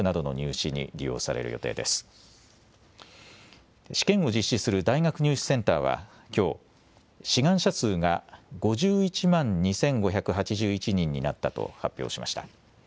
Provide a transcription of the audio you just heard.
試験を実施する大学入試センターはきょう、志願者数が５１万２５８１人になったと発表しました。